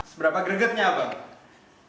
seberapa gregetnya abang